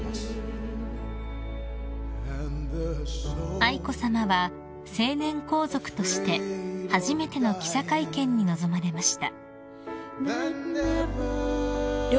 ［愛子さまは成年皇族として初めての記者会見に臨まれました］